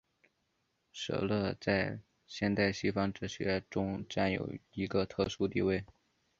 舍勒在现代西方哲学中占有一个特殊地位。